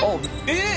えっ？